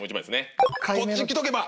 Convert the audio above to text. こっちきとけば。